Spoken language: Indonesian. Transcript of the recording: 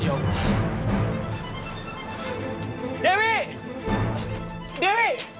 dewi dewi dewi kamu di mana